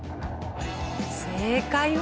正解は。